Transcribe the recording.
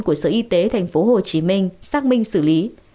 của sở y tế tp hcm xác minh xử lý